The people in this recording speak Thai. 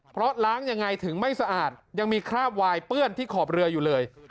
เพราะล้างยังไงถึงไม่สะอาดยังมีคราบวายเปื้อนที่ขอบเรืออยู่เลย